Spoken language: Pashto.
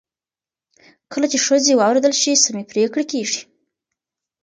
کله چې ښځې واورېدل شي، سمې پرېکړې کېږي.